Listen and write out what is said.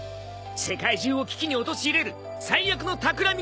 世界中を危機に陥れる最悪のたくらみが動きだす。